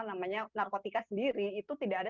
namanya narkotika sendiri itu tidak ada